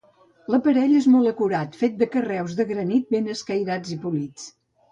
L'aparell és molt acurat, fet de carreus de granit ben escairats i polits.